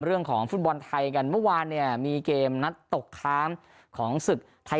เรื่องของฟุตบอลไทยกันเมื่อวานเนี่ยมีเกมนัดตกค้างของศึกไทย